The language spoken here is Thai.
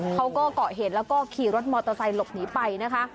เขาก็เกาะเหตุแล้วก็ขี่รถมอเตอร์ไซค์หลบหนีไปนะคะ